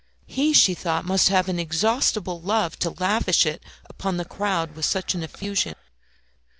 He, she thought must have an inexhaustible love to lavish it upon the crowd with such effusion.